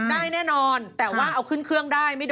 มันจะมีความเป็นเกาหลี